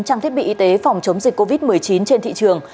trang thiết bị y tế phòng chống dịch covid một mươi chín trên thị trường